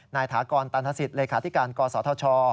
นายฐากรตัณฑศิษย์เลขาธิการกษทช